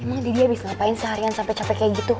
emang didi abis ngapain seharian sampe capek kayak gitu